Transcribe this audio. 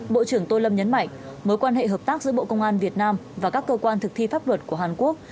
bộ trưởng tô lâm nhấn mạnh mối quan hệ hợp tác giữa bộ công an việt nam và các cơ quan thực thi pháp luật của hàn quốc